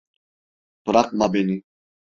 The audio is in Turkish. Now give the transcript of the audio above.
Bırakma beni!